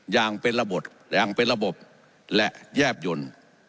อย่างเป็นระบบและแยบยนต์